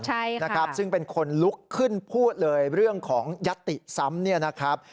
ใช่ค่ะซึ่งเป็นคนลุกขึ้นพูดเลยเรื่องของยัตติซ้ำ